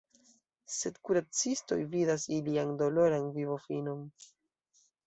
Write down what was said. Sed kuracistoj vidas ilian doloran vivofinon.